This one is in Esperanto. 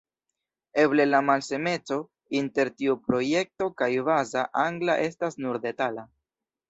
Eble la malsameco inter tiu projekto kaj Baza Angla estas nur detala.